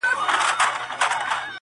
د زمري په کابینه کي خر وزیر وو،